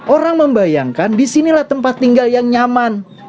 orang membayangkan disinilah tempat tinggal yang nyaman